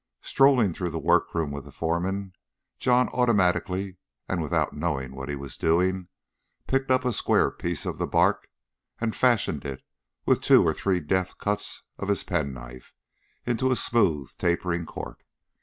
Strolling through the workroom with the foreman, John automatically, and without knowing what he was doing, picked up a square piece of the bark, and fashioned it with two or three deft cuts of his penknife into a smooth tapering cork.